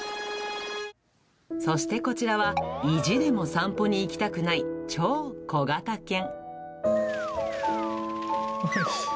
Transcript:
そしてこちらは、意地でも散歩に行きたくない超小型犬。